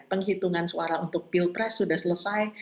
penghitungan suara untuk pilpres sudah selesai